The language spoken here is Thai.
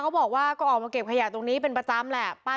เขาบอกว่าก็ออกมาเก็บขยะตรงนี้เป็นประจำแหละ